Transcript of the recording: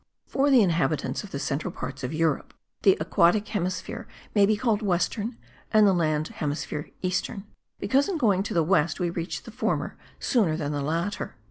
For the inhabitants of the central parts of Europe the aquatic hemisphere may be called western, and the land hemisphere eastern; because in going to the west we reach the former sooner than the latter.